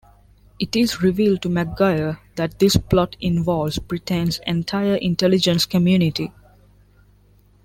It is revealed to McGuire that this plot involves Britain's entire intelligence community.